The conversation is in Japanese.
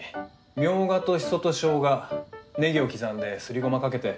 ミョウガとシソとショウガネギを刻んですりごまかけて。